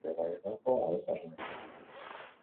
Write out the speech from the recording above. Entrenatu ezinik jarraitzen du azpeitiarrak.